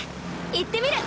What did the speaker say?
行ってみる！